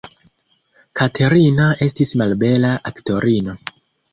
Katerina estis malbela aktorino.